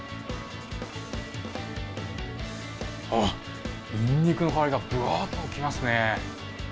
あっ、ニンニクの香りがぶわーっときますね。